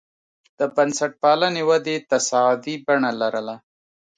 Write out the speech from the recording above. د بنسټپالنې ودې تصاعدي بڼه لرله.